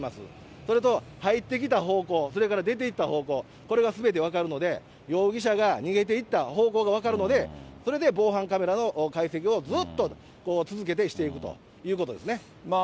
それと、入ってきた方向、それから出ていった方向、これがすべて分かるので、容疑者が逃げていった方向が分かるので、それで防犯カメラの解析をずっと続けてしていくということですね。